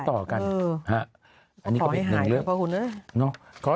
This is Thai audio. ต่อกันอันนี้ก็เป็นหนึ่งเลือกขอให้หายเลยพระคุณนะ